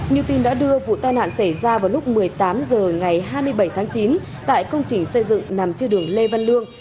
như tin đã đưa vụ tai nạn xảy ra vào lúc một mươi tám h ngày hai mươi bảy tháng chín tại công trình xây dựng nằm trên đường lê văn lương